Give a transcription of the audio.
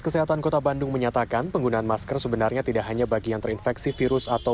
kesehatan kota bandung menyatakan penggunaan masker sebenarnya tidak hanya bagi yang terinfeksi virus atau